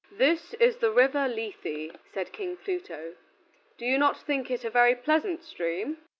"This is the river Lethe," said King Pluto; "do you not think it a very pleasant stream?"